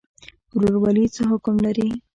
ورورولي څه حکم لري؟